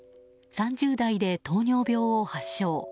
３０代で糖尿病を発症。